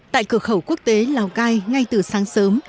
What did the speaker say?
tại cửa khẩu quốc tế lào cai ngay từ sáng sớm